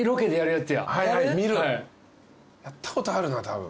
やったことあるなたぶん。